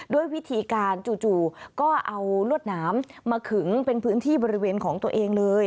ด้วยวิธีการจู่ก็เอารวดหนามมาขึงเป็นพื้นที่บริเวณของตัวเองเลย